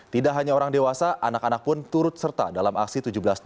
tidak hanya orang dewasa anak anak pun turut serta dalam aksi tujuh belas dua ribu